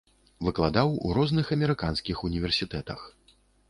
Выкладаў у розных амерыканскіх універсітэтах.